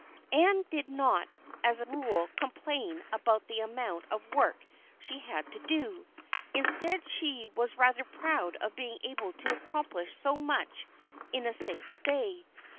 Ann did not as a rule complain about the amount of work she had to do. Instead, she was rather proud of being able to accomplish so much in a single day.